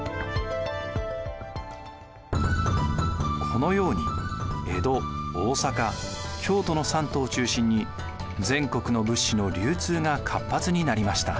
このように江戸大坂京都の三都を中心に全国の物資の流通が活発になりました。